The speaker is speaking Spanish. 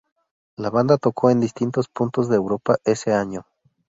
La banda tocó en distintos puntos de Europa ese año.